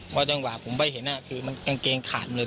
เพราะจังหวะผมไปเห็นน่ะคือกางเกงขาดเลย